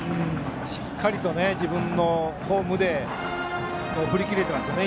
しっかりと自分のフォームで振り切れてますよね。